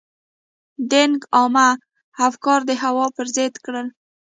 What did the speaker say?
دینګ عامه افکار د هوا پر ضد کړل.